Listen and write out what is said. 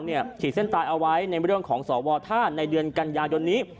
ขีดเส้นตายเอาไว้ในเรื่องของสวท่าในเดือนกันยายนนี้